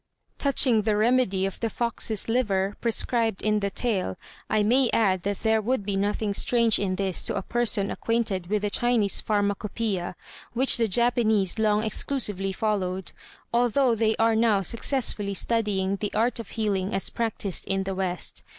Touching the remedy of the fox's liver, prescribed in the tale, I may add that there would be nothing strange in this to a person acquainted with the Chinese pharmacopoeia, which the Japanese long exclusively followed, although they are now successfully studying the art of healing as practised in the West.